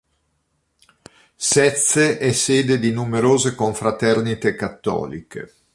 Sezze è sede di numerose confraternite cattoliche.